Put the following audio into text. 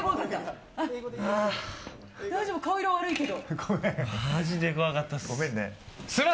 大丈夫、顔色悪いけど。